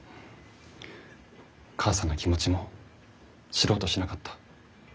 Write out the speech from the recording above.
母さんの気持ちも知ろうとしなかった。